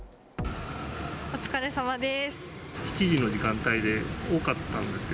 お疲れさまです。